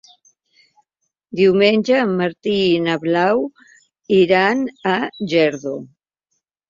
Diumenge en Martí i na Blau iran a Geldo.